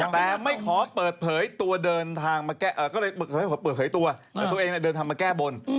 แต่ไม่ขอเปิดเผยตัวเดินทางมาแก้บน